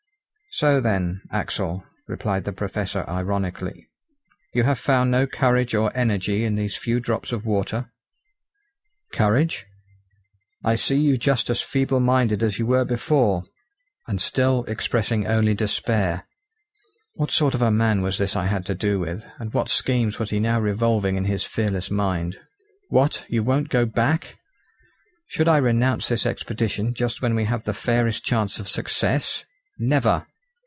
"So then, Axel," replied the Professor ironically, "you have found no courage or energy in these few drops of water?" "Courage?" "I see you just as feeble minded as you were before, and still expressing only despair!" What sort of a man was this I had to do with, and what schemes was he now revolving in his fearless mind? "What! you won't go back?" "Should I renounce this expedition just when we have the fairest chance of success! Never!"